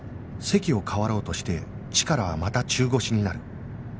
席を替わろうとしてチカラはまた中腰になる